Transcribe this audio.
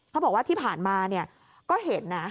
เขาบอกว่าที่ผ่านมาเนี่ยก็เห็นนะ